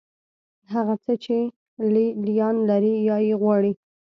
هغه څه چې لې لیان لري یا یې غواړي.